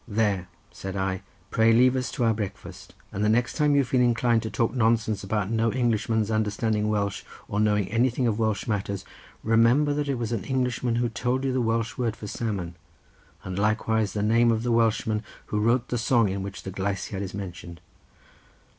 "There," said I, "pray leave us to our breakfast, and the next time you feel inclined to talk nonsense about no Englishman's understanding Welsh, or knowing anything of Welsh matters, remember that it was an Englishman who told you the Welsh word for salmon, and likewise the name of the Welshman who wrote the song in which the gleisiad is mentioned."